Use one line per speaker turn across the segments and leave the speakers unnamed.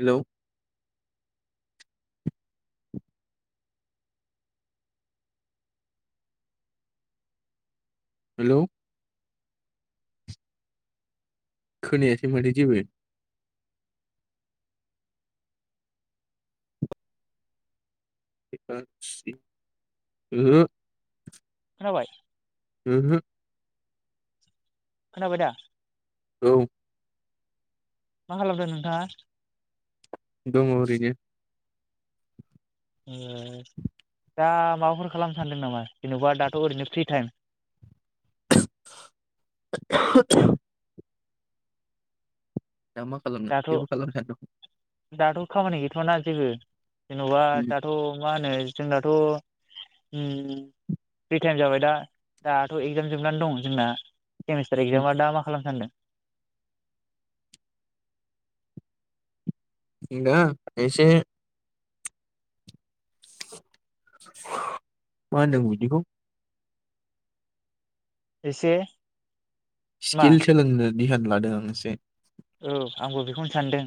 Hello hello खोनायासै माथो जेबो ओहो
जाबाय
उम हम
खोनाबाय दा
औ
मा खालामदों नोंथाङा
दङ ओरैनो
दा माबाफोर खालामनो सानदों नामा? जेनेबा दाथ' ओरैनो फ्रि टाइम
[unintelligible] दा मा खालाम नो
दाथ'
जेबो खालामहायाथ'
दाथ' खामानि गैथ'वाना जेबो? जेन'बा
उम
दाथ' मा होनो जोंनाथ' उम फ्रि टाइम जाबाय दा दाथ' एगजाम जोबनानै दं जोंना। सेमिस्टार एगजामा दा मा खालाम सानदों?
जों दा एसे मा होनदों बिदिखौ
एसे मा
स्किल सोलोंनो दिहान ला दों इसे
औ आंबो बेखौनो सानदों।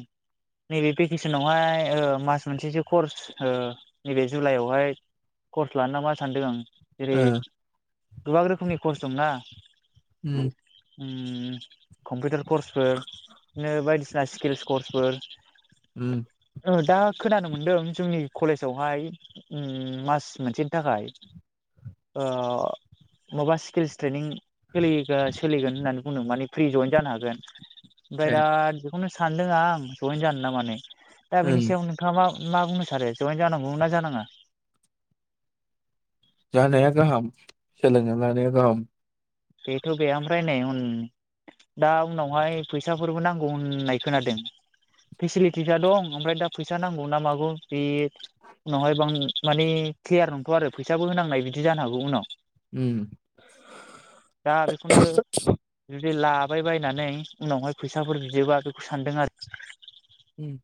नैबे भेकेसनावहाय ओ मास मोनसेसो कर्स नैबे जुलाइयावहाय कर्स लानो नामा सानदों आं। जेरै
ओ
गोबां रोखोमनि खर्स दंना।
उम
उम कम्पिउटार कर्सफोर बिदिनो बायदिसिना स्किलस कर्सफोर
उम
ओ दा खोनानो मोनदों जोंनि कलेजावहाय उम मास मोनसेनि थाखाय ओ माबा स्किल्स ट्रेनिं सोलिगोन होननानै बुंदों माने फ्रि जयेन जानो हागोन। ओमफ्राय
ए
दा बेखौनो सानदों आं जयेन जानो ना मानो। दा
उम
बेनि सायाव नोंथाङा मा मा बुंनो सानो जयेन जानांगौमोन ना जानाङा?
जानाया गाहाम सोलोंना लानाया गाहाम।
बेथ बे ओमफ्राय नै उम दा उनावहाय फैसाफोरबो नांगौ होननाय खोनादों फेसिलिटिसा दं ओमफ्राय दा फैसा नांगौ ना मागौ बे उनावहाय बां माने क्लियार नंथया आरो फैसाबो होनांनाय बिदि जानो हागौ उनाव।
उम
दा बेखौनो जुदि ला बाय बायनानै उनावहाय फैसाफोर बियोबा बेखौ सानदों आरो।
उम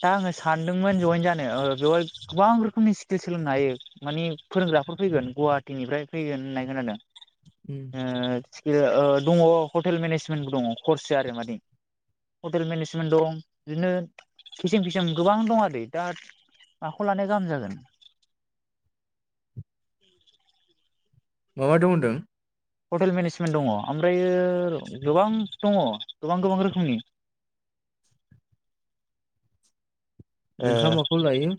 दा आङो सानदोंमोन जइेन जानो। बेवहाय गोबां रोखोमनि स्किल सोलोंनो हायो माने फोरोंग्राफोर फैगोन गुवाहाटिनिफ्राय फैगोन होननाय खोनादों।
उम
ओ स्किल दङ हटेल मेनेजमेन्टबो दङ कर्स आरो माने हटेल मेनेजमेन्ट दं बिदिनो। किसेम फिसाम गोबां दं आरो दा माखौ लानाया गाहाम जागोन।
मा मा दं होनदों?
हटेल मेनेजमेन्ट दङ ओमफ्रायो गोबां दङ गोबां गोबां रोखोमनि। ओ
नोंहा माखौ लायो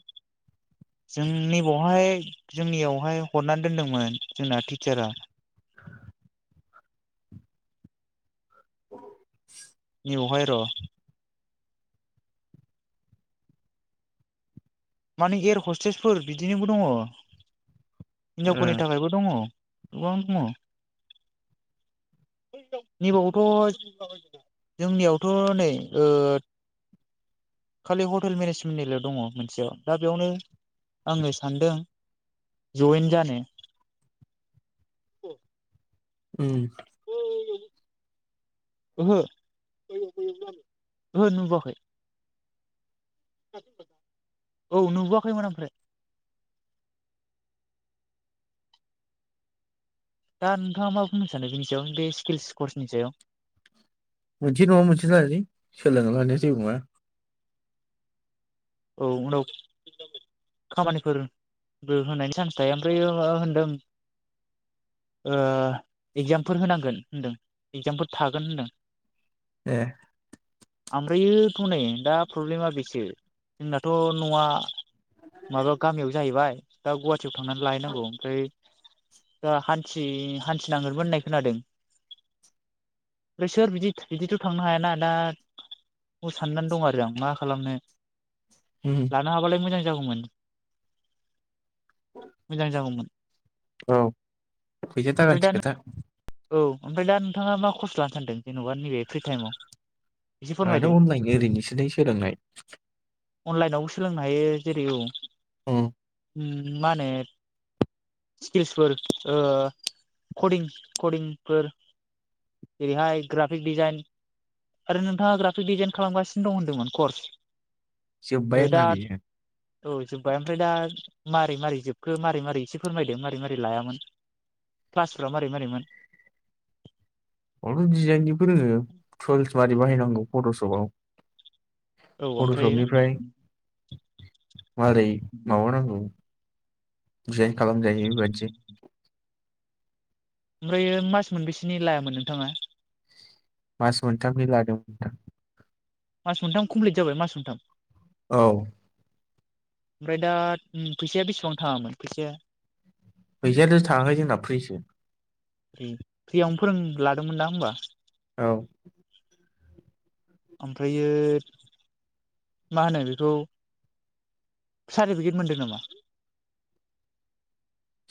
जोंनि बेवहाय जोंनियावहाय हरनानै दोनदोंमोन जोंना टिचारा
औ [unintelligible]
रहाय र माने एयार हस्टेजफोर बिदिनोबो दङ।
ओ
हिनजावफोरनि थाखायबो दङ। गोबां दङ नैबावथ‌ जोंनियावथ नै ओ खालि हटेल मेनेजमेन्टनिल दङ मोनसेयाव। दा बेयावनो आङो सानदों जइेन जानो।
उम
ओहो ओहो नुबोआखै। औ नुबोआखैमोन ओमफ्राय। दा नोंथाङा मा बुंनो सानो बिनि सायाव बे स्किल्स कर्सनि सायाव।
मोनसे नङा मोनसे लालै सोलोंना लानाया जेबो नङा।
औ उनाव खामानिफोरबो होनायनि सान्स थाया। ओमफ्रायो मा होनदों ओ इगजामफोर होनांगोन होनदों इगजामफोर थागोन होनदों।
ए
ओमफ्रायोथ नै दा प्रब्लेमा बेसो जोंनाथ न'आ माबायाव गामियाव जाहैबाय दा गवा हाटियाव थांनानै लाहैनांगौ ओमफ्राय दा हान्थि हान्थिनांगोनबो होननाय खोनादों। ओमफ्राय सोर बिदि बिदिथ थांनो हायाना दा साननानै दं आरो आं मा खालामनो।
उम
लाना हाबालाय मोजां। जागौमोन। मोजां जागौमोन।
औ फैसा
ओमफ्राय दा
थाखानिसो खोथा।
औ ओमफ्राय दा नोंथाङा मा खर्स लानो सानदों जेनेबा नैबे फ्रि टाइमाव? एसे फोरमायदो
आनाथ अनलाइन ओरैनोसो लै सोलोंनाय।
अनलाइनावबो सोलोंनो हायो जेरै औ
उम
मा होनो स्किल्सफोर ओ कदिं कदिंफोर ओेरैहाय ग्राफिक डिजाइन आरो नोंथाङा ग्राफिक डिजाइन खालामगासिनो दं होनदोंमोन कर्स
जोब्बाय आंना
दा
बेयो
औ जोब्बाय ओमफ्राय दा मारै मारै जोबखो मारै मारै एसे फोरमायदों मारै मारै लायामोन क्लासफाव मारै मारैमोन?
अल दिजाइनिबो रोङो टुल्सवाड बाहायनांगौ फट'शपाव
औ ओमफ्रायो
मारै माबा नांगौ जे खालामजायो बेबायदिजों।
ओमफ्रायो मास मोनबेसोनि लायामोन नोंथाङा?
मास मोनथा नि लादोंमोन नोंथां।
मास मोनथाम कमप्लिट जाबाय मास मोनथाम।
औ
ओमफ्राय दा फैसाया बेसेबां थाङामोन फैसाया?
फैसायाथ' थाङाखै जोंना फ्रिसो।
फ्रियावनो फोरों लादोंमोन दा होनबा।
औ
ओमफ्रायो मा होनो बेखौ सार्टिफिकेट मोनदों नामा?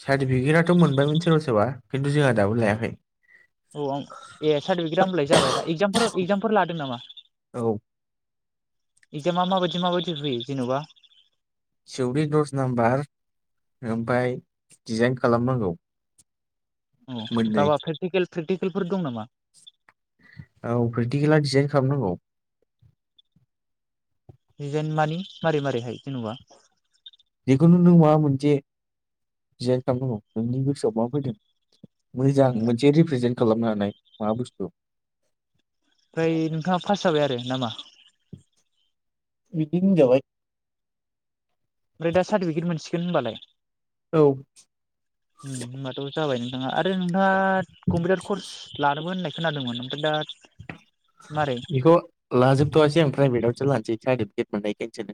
सार्टिफिकेटआथ मोनबायमोन सोरबा सोरबा खिन्थु जोंहा दाबो लायाखै।
औ ए सार्टिफिकेटआ होनलाय जाबाय दा एक्जामफोर एक्जामफोर लादों नामा?
औ
इकजामा माबायदि माबायदि फैयो? जेनबा
टिउरि दस नाम्बार ओमफ्राय डिजाइन खालामनांगौ
अ
मोननै
दाबा प्रेकटिकेल प्रेकटिकेलफोर दं नामा?
औ प्रेक्टिकेला डिजाइन खालामनांगौ
डिजाइन मानि मारै मारैहाय जेन'बा
बेखौनो नों माबा मोनसे दिजइन खालामनांगौ नोंनि गोसोआव मा फैदों मोजां
ए
मोनसे रिप्रेजे खालामनो हानाय मा बुस्थु
ओमफ्राय नोंथाङा फास जाबाय आरो नामा
बिदिनो होनजाबाय
ओमफ्राय दा सार्टिफिकेट मोनसिगोन होनबालाय
औ
ओम होनबाथ जाबाय आनो [unintelligible] नोंथाङा कम्पिउटार कर्स लानोबो होननाय खोनादोंमोन ओमफ्राय दा मारै
बेखौ लाजोबथ'वासै आं प्राइभेट आवसो लानोसै सार मोननायखाय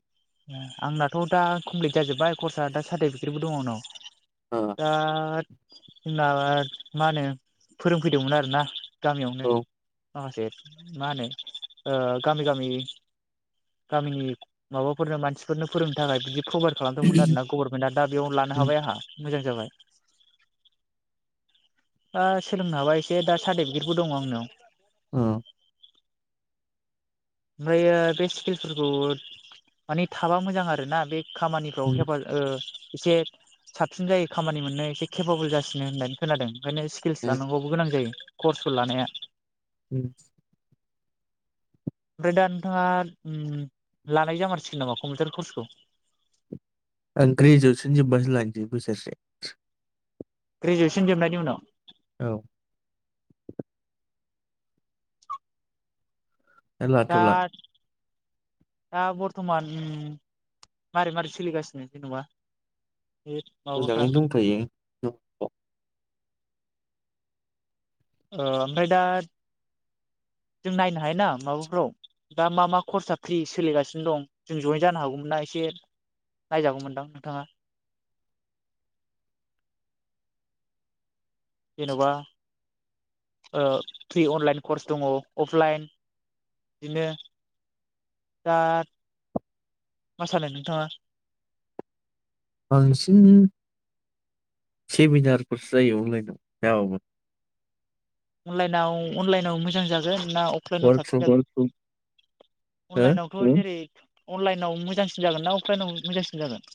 आंनाथ' दा कमप्लिट जाजोब्बाय कर्सआ दा सार्टिफिकेटबो दङ आंनाव दा माबा मा होनो फोरोंफैदोंमोन आरोना गामियावनो
ओ
माखासे मा होनो ओ गामि गामि गामिनि माबा फोरनो मानसिफोरनो फोरोंनो थाखाय बिदि प्रभाइद खालामदोंमोन आर ना गभर्नमेन्टआ दा बेयाव लानो हाबाय आंहा मोजां जाबाय दा सोलोंनो हाबा एसे दा सार्टिफिकेटबो दङ आंनियाव
औ
ओमफ्रायो बे स्किलफोरखौ माने थाबा मोजां आरोना बे खामानिफ्राव हेफाजाब ओ एसे साबसिन जायो खामानि मोननो एसे केपबोल जासिनो होननानै खोनादों ओंखायनो स्खिलस लानांगौबो गोनां जायो कर्सखौ लानाया
उम
ओमफ्राय दा नोंथाङा लानाय जामारसिगोन नामा कम्पिउटार कर्सखौ
आं ग्रेजुवैसन जोबबासो लानोसै बोसोरसे
ग्रेजुवेसन जोबनायनि उनाव
औ दा लाथ'ला
दा बर्थमान मारै मारै सोलिगासिनो जेनेबा
मोजाङै दंथयो
ओ ओमफ्राय दा जों नायनो हायोना माबाफ्राव दा मा मा खर्सा फ्रि सोलिगासिनो दं जों जयेन जानो हागौमोन नना एसे नायजागौमोनदां नोंथाङा जेन'बा ओ फ्रि अनलाइन कर्स दङ अफलाइन बिदिनो दा मा सानो नोंथाङा
बांसिन सेमिनार कर्स जायो अनलाइनाव
अनलाइनाव अनलाइनाव मोजां जागोन ना अबलाइनाव
वार्कशप
साबसिन जागोन
हो
अनलाइनावथ' जेरै अनलाइनाव मोजांसिन जागोन ना अफलाइनाव मोजांसिन जागोन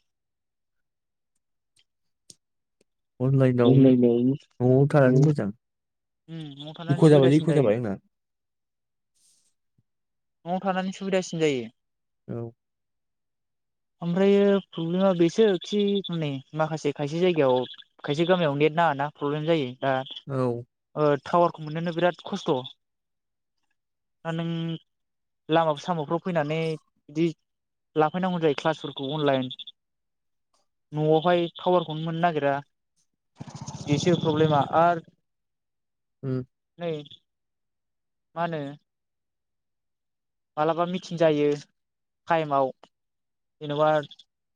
अनलाइनाव न'आव थानानै मोजां
उम न'आव
इख'
थानानानै
जाबायलै इख'
सुबिदासिन जायो
जाबाय आंना
न'आव थानानै सुबिदासिन जायो
औ
ओमफ्रायो प्रब्लेमा बेसो खि नै माखासे खायसे जायगायाव खायसे गामियाव नेट नाङाना प्रब्लेम जायो दा
औ
ओ टावारखौ मोननोनो बिराद खस्थ' दा नों लामा सामाफ्राव फैनानै बिदि लाफैनांगौ जायो क्लासफोरखौ अनलाइन न'आवहाय टावारखौनो मोननो नागिरा बेसो प्रब्लेमा आरो
हम
[unintelligible] मा होनो मालाबा मिथिं जायो टाइमाव जेनेबा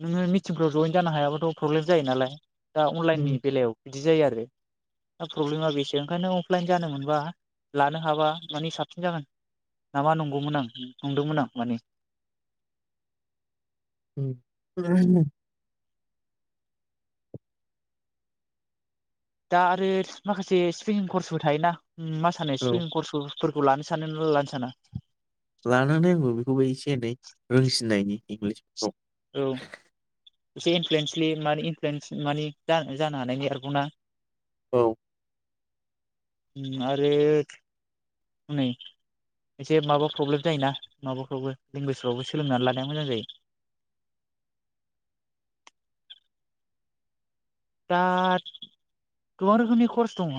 नोङो मिथिंफ्राव जयेन जानो हायाबाथ' प्रब्लेम जायो नालाय दा
उम
अनलाइननि बेलायाव बिदि जायो आरो दा प्रब्लेमा बेसो ओंखायनो अफलाइन जानो मोनबा लानो हाबा मानि साबसिन जागोन नाामा नंगौमोन आं नंदोंमोन आं माने
[unintelligible]
दा आरो माखासे स्किलिं कर्सबो थायोना मा सानो
औ
स्किलिं कर्सखौ फोरखौ लानो सानो ना लानो साना
लानानै आंबो बेखौबो एसे एनै रोंसिननायनि इंलिस
औ एसे इनफ्लुयेन्सलि म इनफ्लुयेन्स माने जानो हानायनि आरोबावना
औ
उम आरो हनै एसे माबा प्रब्लेम जायोना माबाफ्रावबो लेंगुवेजफ्रावबो सोलोंनानै लानाया मोजां जायो दा गोबां रोखोमनि कर्स दङ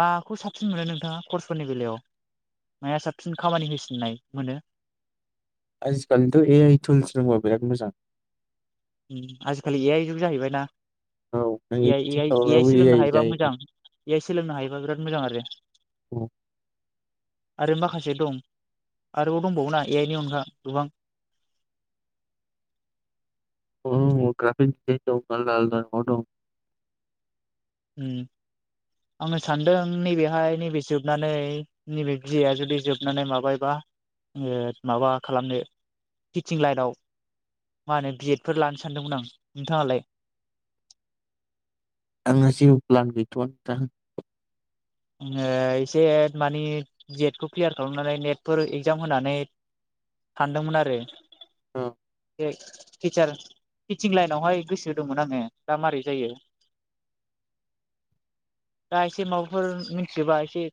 माखौ साबसिन मोनो नोंथाङा कर्सफोरनि बेलायाव माया साबसिन खामानि होसिननाय मोनो
आजिखालिथ' ए आइ टुल्स रोंबा बेराद मोजां
आजिखालि ए आइ जुग जाहैबाय ना
औ
हायोबा मोजां
[unintelligible]
ए आइ सोलोंनो हायोबा बिराद मोजां आरो
औ
आरो माखासे दं आरोबाव दंबावोना ए आइ नि अनगा गोबां
[unintelligible]
उम आङो सानदों नैबेहाय नैबे जोबनानै नैबे बि ए आ जुदि जोबनानै माबायोबा माबा खालामनो टिचिं लाइनाव मा होनो बि एद फोर लानो सानदोंमोन आं नोंथाङालाय
जेबो फ्लान गैथ' आ नोंथां
ओ एसे मानि जेटखौ क्लियार खालामनानै नेटफोर एगजाम होनानै सानदोंमोन आरो
उम
टिचार टिचीं लाइन आवहाय गोसो दंमोन आङो दा मारै जायो दा एसे माबा फोर मिनथियोबा एसे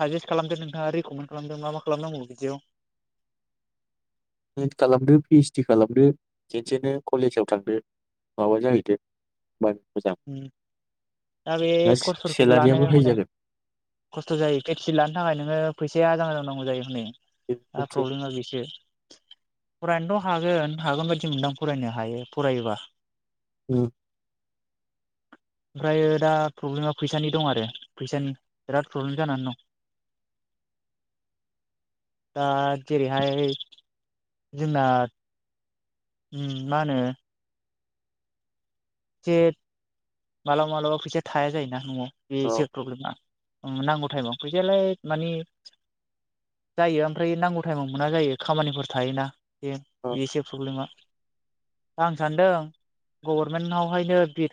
साजेस्ट खालामदों नोंथाङा रेकमेन्ड खालामदों मा मा खालामनांगौ बिदियाव
एद खालामदो पि ओइस डी खालामदो खेनसेनो कलेजाव थांदो माबा जाहैदो मा
उम दा बे करच फोरखौबो लानो
सेलारियाबो हाइ
हनै
जागोन
खस्थ' जायो पि ओइस डि लानो थाखाय नोङो फैसाया आजां गाजां नांगौ जायो हनै
बे
दा
मोनसे
प्रब्लेमा बेसो फरायानो थ हागोन हागोन बायदि मोनदां फरायनो हायो फरायोबा
उम
ओमफ्रायो दा प्रब्लेमा फैसानि दं आरो फैसानि बिराद प्रब्लेम जानानै दं दा जेरैहाय जोंना उम मा होनो एसे मालाबा मालाबा फैसा थाया जायोना न'आव
औ
बेसे प्रब्लेमा नांगौ टाइमाव फैसायालाय मानि जायो ओमफ्राय नांगौ टाइमाव मोना जायो खामानिफोर थायोना बे
औ
बेसो प्रब्लेमा आं सानदों गर मेननाव हायनो बि